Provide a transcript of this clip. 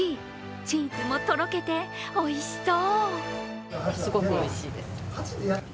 チーズもとろけておいしそう。